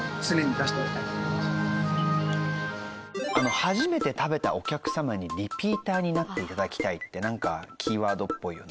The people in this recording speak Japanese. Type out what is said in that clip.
初めて食べたお客様にリピーターになって頂きたいってなんかキーワードっぽいよね。